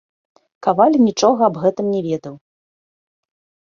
Каваль нічога аб гэтым но ведаў.